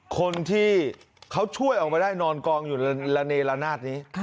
คนที่เค้าช่วยออกมาได้นอนกองอยู่ในระเนราราชนาธิ์นี้